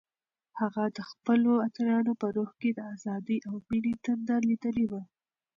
هغه د خپلو اتلانو په روح کې د ازادۍ او مینې تنده لیدلې وه.